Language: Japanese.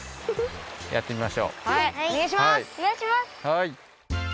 はい。